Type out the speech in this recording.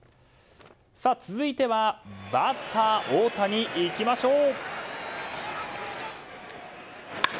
続いてはバッター大谷いきましょう。